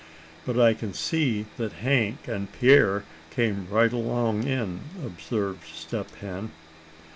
"But I can see that Hank and Pierre came right along in," observed Step Hen.